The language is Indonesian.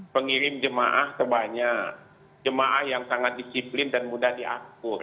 pengirim jemaah sebanyak jemaah yang sangat disiplin dan mudah diatur